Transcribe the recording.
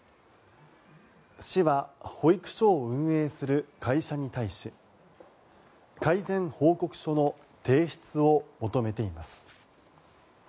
市は保育所を運営する会社に対し改善報告書の提出を求めています。